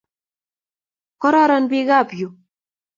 Kororon pik ap yu